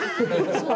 そう。